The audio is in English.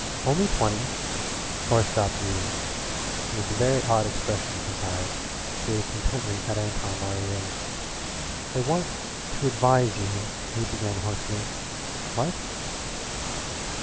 Only twenty " Horace stopped reading, and with a very odd expression in his eyes gazed intently at Anton Laurier. "I want to advise you " he began hoarsely. "What?"